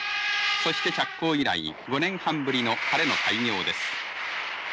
そして、着工以来５年半ぶりの晴れの開業です。